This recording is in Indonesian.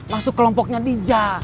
masuk kelompoknya diza